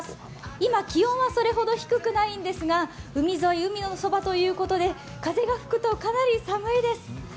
今、気温はそれほど低くないんですが、海沿い、海のそばということで風が吹くとかなり寒いです。